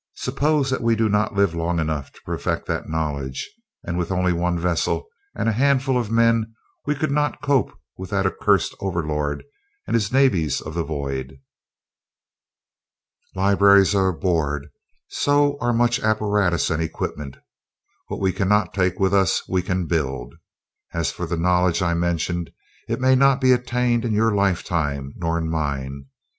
Suppose that we do not live long enough to perfect that knowledge? And with only one vessel and a handful of men we could not cope with that accursed Overlord and his navies of the void." "Libraries are aboard, so are much apparatus and equipment. What we cannot take with us we can build. As for the knowledge I mentioned, it may not be attained in your lifetime nor in mine.